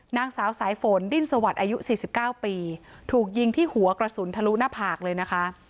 นางสาวสายฝนดิ้นสวัสดิ์อายุ๔๙ปีถูกยิงที่หัวกระสุนทะลุหน้าผากเลยนะคะ